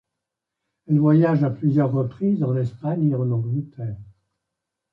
Elle voyage à plusieurs reprises en Espagne et en Angleterre.